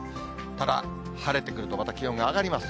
ただ、晴れてくるとまた気温が上がります。